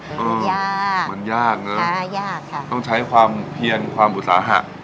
ก็ยากมันยากนะยากค่ะต้องใช้ความเพียนความอุตสาหะ